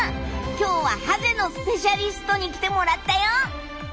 今日はハゼのスペシャリストに来てもらったよ！